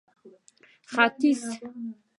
ختيځ